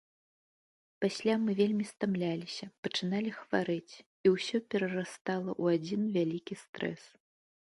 Пасля мы вельмі стамляліся, пачыналі хварэць, і ўсё перарастала ў адзін вялікі стрэс.